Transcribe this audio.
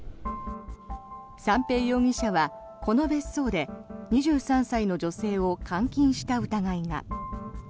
三瓶容疑者はこの別荘で、２３歳の女性を監禁した疑いが。